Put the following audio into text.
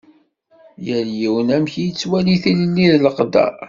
Yal yiwen amek i yettwali tilelli d leqder.